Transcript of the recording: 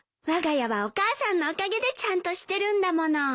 わが家はお母さんのおかげでちゃんとしてるんだもの。